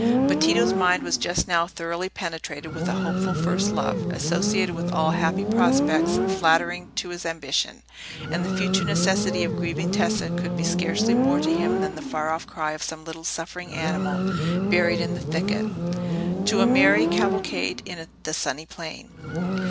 But Tito's mind was just now thoroughly penetrated with a hopeful first love, associated with all happy prospects flattering to his ambition; and that future necessity of grieving Tessa could be scarcely more to him than the far off cry of some little suffering animal buried in the thicket, to a merry cavalcade in the sunny plain.